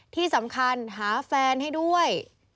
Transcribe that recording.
ที่สำคัญหาแฟนให้ด้วย